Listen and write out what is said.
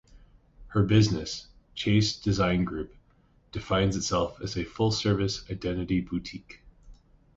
Her business, Chase Design Group, defines itself as a full-service identity boutique.